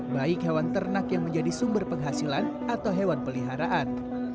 baik hewan ternak yang menjadi sumber penghasilan atau hewan peliharaan